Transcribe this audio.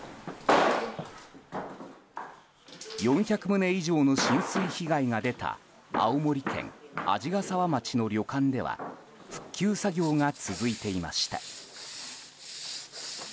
４００棟以上の浸水被害が出た青森県鰺ヶ沢町の旅館では復旧作業が続いていました。